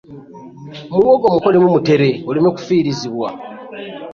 Muwogo mukolemu mutere oleme kufiirizibwa